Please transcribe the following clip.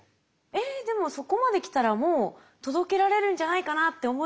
えっでもそこまで来たらもう届けられるんじゃないかなって思っちゃうんですけど。